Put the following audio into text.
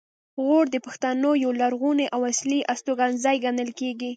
غور د پښتنو یو لرغونی او اصلي استوګنځی ګڼل کیږي